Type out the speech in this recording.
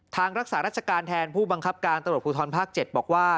รักษารัชการแทนผู้บังคับการตำรวจภูทรภาค๗บอกว่า